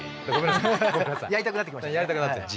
やりたくなってきましたね。